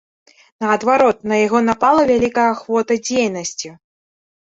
Наадварот, на яго напала вялікая ахвота дзейнасці.